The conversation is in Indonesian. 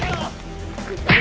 aku mau ke kota ini